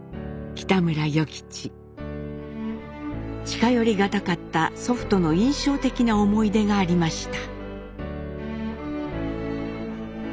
近寄り難かった祖父との印象的な思い出がありました。